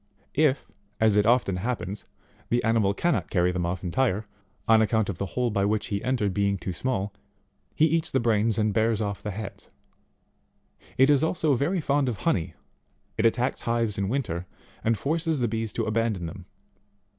If, as it often hap pens, the animal cannot carry them off entire, on account of the hole by which he entered, being too small, he eats the brains and bears off the heads. It is also very fond of honey ; it attacks hives in winter, and forces the bees to abandon them.